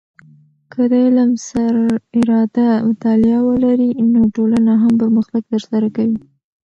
که د علم سر اراده مطالعه ولرې، نو ټولنه هم پرمختګ در سره کوي.